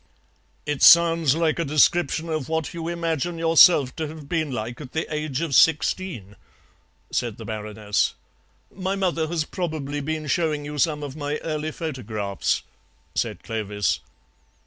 "It sounds like a description of what you imagine yourself to have been like at the age of sixteen," said the Baroness. "My mother has probably been showing you some of my early photographs," said Clovis.